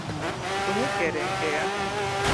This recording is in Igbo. onye kere nke ya